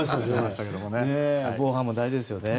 防犯も大事ですよね。